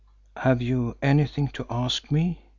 "Have you anything to ask me?"